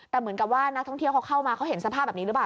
แต่เหมือนกับว่านักท่องเที่ยวเขาเข้ามาเขาเห็นสภาพแบบนี้หรือเปล่า